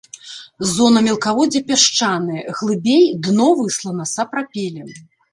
Зона мелкаводдзя пясчаная, глыбей дно выслана сапрапелем.